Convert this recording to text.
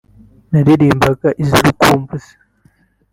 naririmbaga iz’urukumbuzi